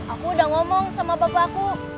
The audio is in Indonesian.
aku udah ngomong sama bapakku